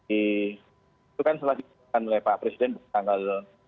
itu kan selanjutnya akan melepah presiden tanggal